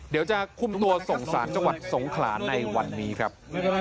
เดี๋ยวจะคุมตัวส่งสารจังหวัดสงขลาในวันนี้ครับ